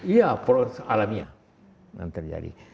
iya proses alamiah yang terjadi